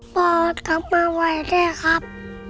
คุณสวัสดีครับ